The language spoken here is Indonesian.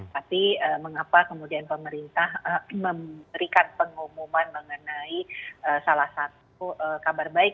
tapi mengapa kemudian pemerintah memberikan pengumuman mengenai salah satu kabar baik